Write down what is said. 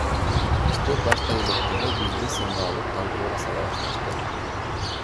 Иштеп баштай электе эле бизди сынга алып, талкууга сала башташты.